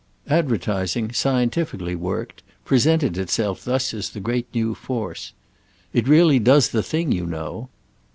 Advertising scientifically worked presented itself thus as the great new force. "It really does the thing, you know."